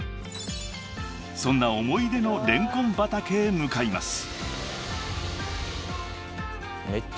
［そんな思い出のレンコン畑へ向かいます］